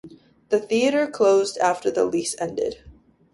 The theater closed after the lease ended.